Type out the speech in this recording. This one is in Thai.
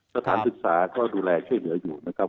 สถานศึกษาก็ดูแลช่วยเหลืออยู่นะครับ